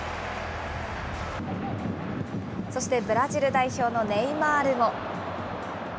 そして、ブラジル代表のネイマールも。